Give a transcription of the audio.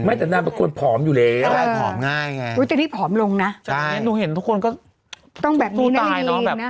ไม่แต่น่าเป็นคนผอมอยู่แล้วอุ๊ยแต่นี่ผอมลงนะต้องตู้ตายเนอะแบบเนี่ย